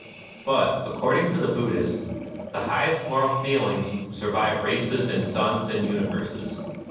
But, according to the Buddhist, the highest moral feelings survive races and suns and universes.